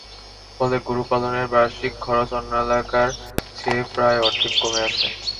ফলে গরু পালনের বার্ষিক খরচ অন্য এলাকার চেয়ে প্রায় অর্ধেক কমে আসে।